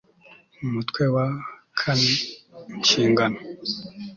UMUTWE WA IV INSHINGANO